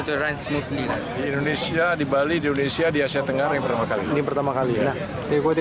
di indonesia di bali di asia tenggara ini pertama kali